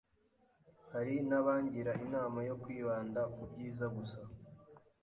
Hari n’abangira inama yo kwibanda ku byiza gusa